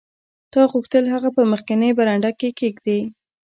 تا غوښتل هغه په مخکینۍ برنډه کې کیږدې